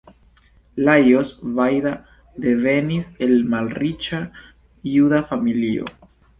Lajos Vajda devenis el malriĉa juda familio.